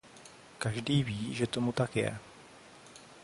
Každý ví, že tomu tak je.